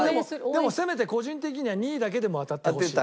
でもせめて個人的には２位だけでも当たってほしい。